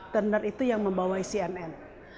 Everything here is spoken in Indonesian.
turner itu yang membawa cnn